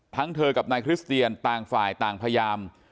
เธอกับนายคริสเตียนต่างฝ่ายต่างพยายาม